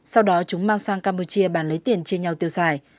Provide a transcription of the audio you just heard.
sau đó chúng mang sang campuchia bán lấy tiền chia nhau tiêu xài